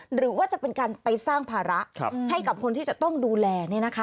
หรือว่าจะเป็นการไปสร้างภาระให้กับคนที่จะต้องดูแล